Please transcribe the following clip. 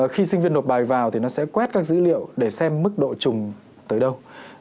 khi sinh viên nộp bài vào thì nó sẽ quét các dữ liệu để xem mức độ trùng tới đâu